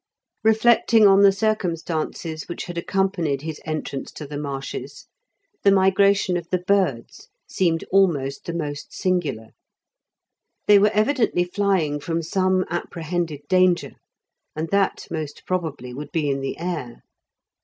Reflecting on the circumstances which had accompanied his entrance to the marshes, the migration of the birds seemed almost the most singular. They were evidently flying from some apprehended danger, and that most probably would be in the air.